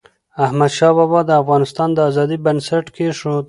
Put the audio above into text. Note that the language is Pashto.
احمدشاه بابا د افغانستان د ازادی بنسټ کېښود.